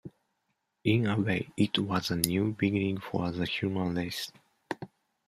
In a way, it was a new beginning for the human race.